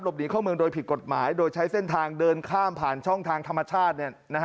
หนีเข้าเมืองโดยผิดกฎหมายโดยใช้เส้นทางเดินข้ามผ่านช่องทางธรรมชาติ